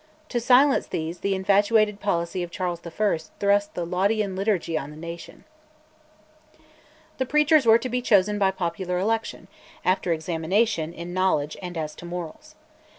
To silence these the infatuated policy of Charles I. thrust the Laudian Liturgy on the nation. The preachers were to be chosen by popular election, after examination in knowledge and as to morals.